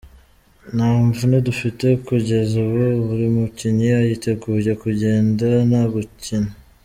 Nta mvune dufite kugeza ubu buri mukinnyi yiteguye kugenda no gukina.